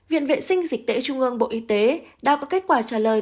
viện vệ sinh dịch tễ trung ương bộ y tế đã có kết quả trả lời